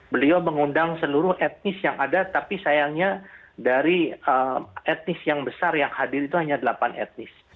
beliau mengundang seluruh etnis yang ada tapi sayangnya dari etnis yang besar yang hadir itu hanya delapan etnis